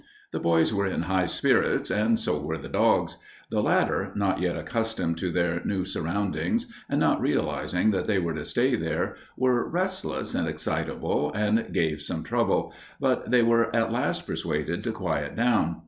The boys were in high spirits and so were the dogs. The latter, not yet accustomed to their new surroundings, and not realizing that they were to stay there, were restless and excitable and gave some trouble, but they were at last persuaded to quiet down.